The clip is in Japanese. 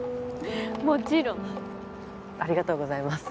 もちろん！ありがとうございます！